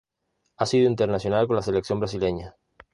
Ha sido internacional con la Selección brasileña.